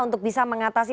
untuk bisa mengatasi